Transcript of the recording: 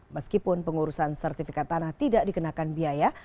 meskipun pengurusan sertifikat tanah tidak dikenakan biaya